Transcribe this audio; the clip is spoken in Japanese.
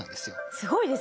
すごいですね。